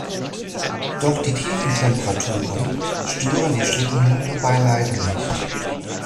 Doch die tiefen Temperaturen stören die Schlittenhunde beileibe nicht.